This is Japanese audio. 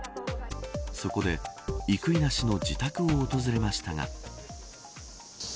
そこで生稲氏の自宅を訪れましたが。